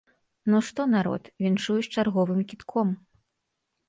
Ну што, народ, віншую з чарговым кідком.